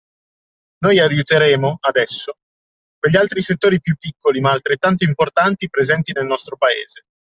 Noi aiuteremo, adesso, quegli altri settori più piccoli ma altrettanto importanti presenti nel nostro paese.